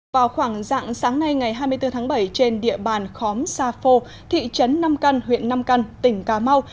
vào khoảng dạng sáng nay ngày hai mươi bốn tháng bảy trên địa bàn khóm sa phô thị trấn nam căn huyện nam căn tỉnh cà mau